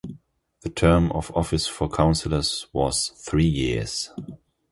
The term of office for councillors was three years.